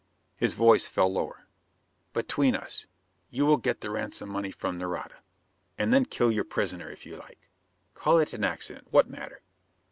His voice fell lower. "Between us, you will get the ransom money from Nareda and then kill your prisoner if you like. Call it an accident; what matter?